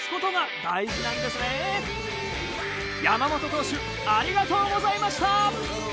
山本投手ありがとうございました。